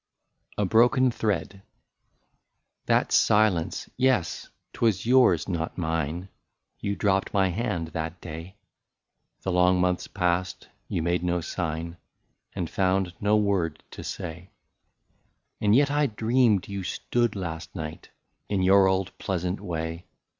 54 A BROKEN THREAD. That silence — yes ! 't was yours not mine, You dropt my hand that day ; The long months passed, — you made no sign. And found no word to say. And yet I dream'd you stood last night, In your old pleasant way.